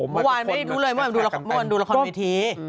เมื่อวานไม่รู้เลยเมื่อวานดูละครเวที